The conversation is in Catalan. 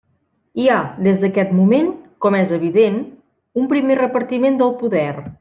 Hi ha, des d'aquest moment, com és evident, un primer repartiment del poder.